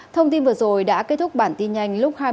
thông tin vừa rồi đã kết thúc bản tin nhanh lúc hai h